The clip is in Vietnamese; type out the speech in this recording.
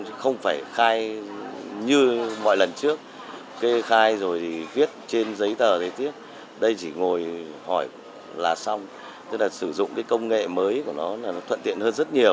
chứ không phải khai như mọi lần trước kê khai rồi thì viết trên giấy tờ giấy tiếp đây chỉ ngồi hỏi là xong tức là sử dụng cái công nghệ mới của nó là nó thuận tiện hơn rất nhiều